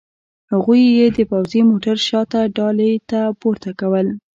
هغوی یې د پوځي موټر شاته ډالې ته پورته کول